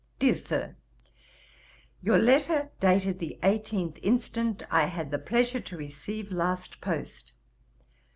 'DEAR SIR, 'Your letter dated the 18th instant, I had the pleasure to receive last post.